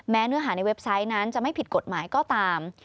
เนื้อหาในเว็บไซต์นั้นจะไม่ผิดกฎหมายก็ตาม